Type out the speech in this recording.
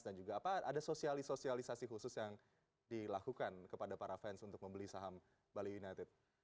dan juga apa ada sosialisasi khusus yang dilakukan kepada para fans untuk membeli saham bali united